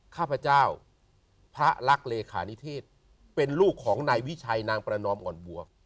ข้าพเจ้าพระรักเลขานิเทศเป็นลูกของนายวิชัยนางประนอมอ่อนบัว